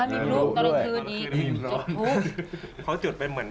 มีฟลูกตกลงตี้